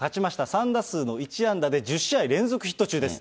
３打数の１安打１０試合連続ヒット中です。